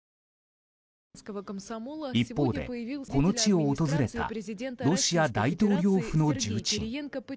一方で、この地を訪れたロシア大統領府の重鎮。